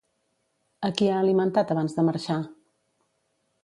A qui ha alimentat abans de marxar?